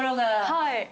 はい。